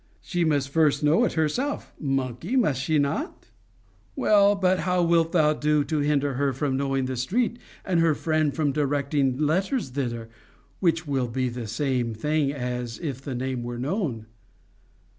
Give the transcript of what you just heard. She must first know it herself, monkey, must she not? Well, but how wilt thou do to hinder her from knowing the street, and her friend from directing letters thither, which will be the same thing as if the name were known?